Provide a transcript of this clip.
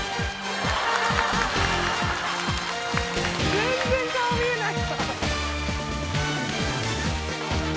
全然顔見えない。